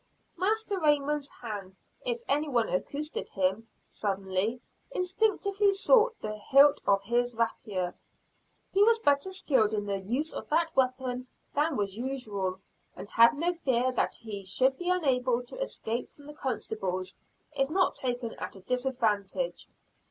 Master Raymond's hand, if anyone accosted him suddenly, instinctively sought the hilt of his rapier. He was better skilled in the use of that weapon than was usual, and had no fear that he should be unable to escape from the constables, if not taken at a disadvantage.